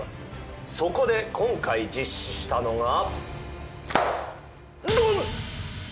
そこで今回実施したのが。